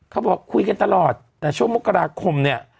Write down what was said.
เขาบอกคุยกันตลอดแต่ช่วงมกราคมเนี่ย